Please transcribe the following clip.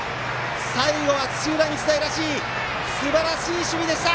最後は土浦日大らしいすばらしい守備でした。